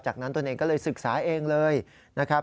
จากนั้นตนเองก็เลยศึกษาเองเลยนะครับ